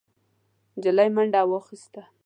نجلۍ منډه واخيسته.